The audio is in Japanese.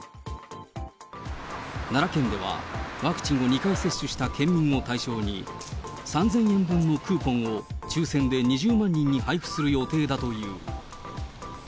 奈良県では、ワクチンを２回接種した県民を対象に、３０００円分のクーポンを抽せんで２０万人に配布する予定だという。